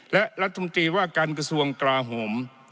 และรัฐมนตรีว่าการกระทรวงกราโหม